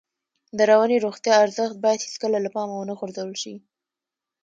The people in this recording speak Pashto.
د رواني روغتیا ارزښت باید هېڅکله له پامه ونه غورځول شي.